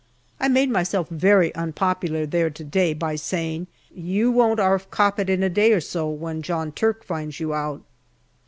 I made myself very unpopular there to day by saying, " You won't 'arf cop it in a day or so when John Turk finds you out."